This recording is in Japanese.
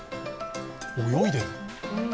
泳いでいる。